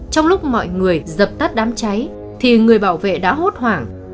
trong lúc mọi người dập tắt đám cháy thì người bảo vệ đã hốt hoảng